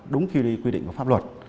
đúng khi quy định có pháp luật